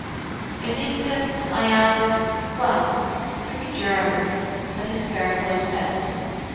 "In England I am—well, pretty German," said his fair hostess.